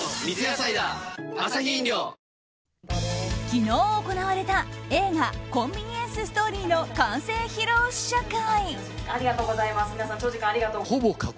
昨日行われた映画「コンビニエンス・ストーリー」の完成披露試写会。